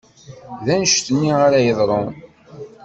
D annect-nni ara d-yeḍrun.